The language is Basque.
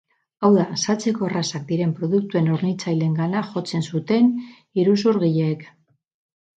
Hau da, saltzeko errazak diren produktuen hornitzaileengana jotzen zuten iruzurgileek.